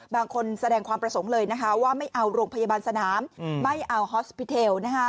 บางคนแสดงความประสงค์เลยนะคะว่าไม่เอาโรงพยาบาลสนามไม่เอาฮอสปิเทล